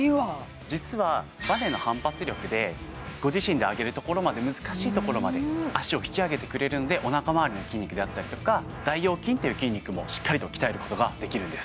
実はバネの反発力でご自身で上げるところまで難しいところまで脚を引き上げてくれるんでお腹まわりの筋肉であったりとか大腰筋っていう筋肉もしっかりと鍛えることができるんです